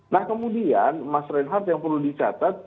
nah kemudian mas reinhardt yang perlu dicatat